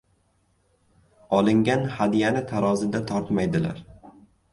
• Olingan hadyani tarozida tortmaydilar.